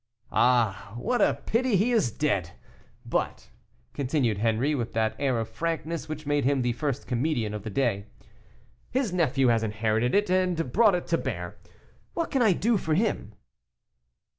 "Ah! what a pity he is dead; but," continued Henri, with that air of frankness which made him the first comedian of the day, "his nephew has inherited it, and brought it to bear. What can I do for him?"